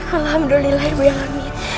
alhamdulillah irmina amin